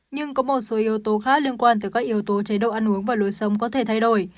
nhưng có một số yếu tố khác liên quan tới các yếu tố chế độ ăn uống và lối sống có thể thay đổi